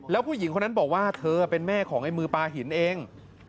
แล้วผู้หญิงคนนั้นบอกว่าเธอเป็นแม่ของไอ้มือปลาหินเอง